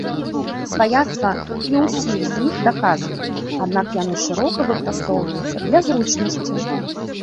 Сваяцтва не ўсіх з іх даказана, аднак яны шырока выкарыстоўваюцца для зручнасці.